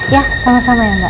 ya sama sama ya mbak